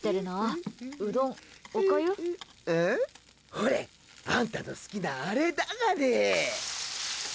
ほれ、あんたの好きなあれだがね。